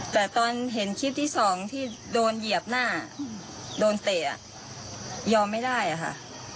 แต่ตอนเห็นคลิปที่สองที่โดนเหยียบหน้าโดนเตะยอมไม่ได้อะค่ะ